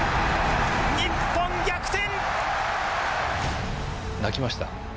日本逆転。